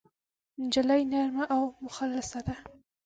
نجلۍ نرمه او مخلصه ده.